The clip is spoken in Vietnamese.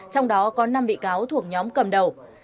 trong đó có năm bị cáo thuộc nhóm cầm đầu